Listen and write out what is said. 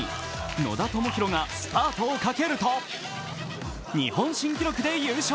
野田朋宏がスパートをかけると日本新記録で優勝。